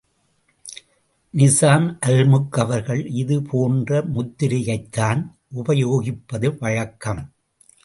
நிசாம் அல்முக் அவர்கள் இது போன்ற முத்திரையைத்தான் உபயோகிப்பது வழக்கம்.